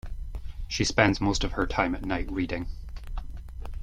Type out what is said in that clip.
She spends most of her time at night reading.